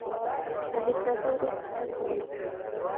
صاحبزاده ورور کیسه کوله.